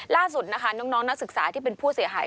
ล่าสุดนะคะน้องนักศึกษาที่เป็นผู้เสียหาย